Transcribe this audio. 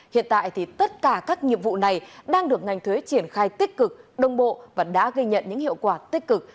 hiện tại thì tất cả các nhiệm vụ này đang được ngành thuế triển khai tích cực đồng bộ và đã gây nhận những hiệu quả tích cực